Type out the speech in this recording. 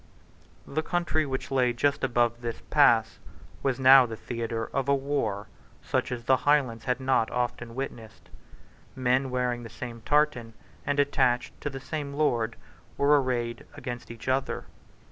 The country which lay just above this pass was now the theatre of a war such as the Highlands had not often witnessed. Men wearing the same tartan, and attached to the same lord, were arrayed against each other.